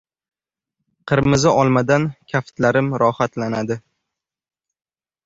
Qirmizi olmadan kaftlarim rohatlanadi.